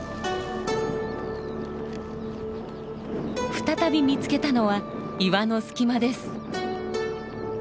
再び見つけたのは岩の隙間です。